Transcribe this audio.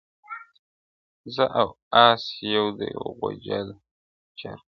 زه او آس یو د یوه غوجل چارپایه -